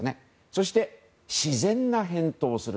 そして、自然な返答をする。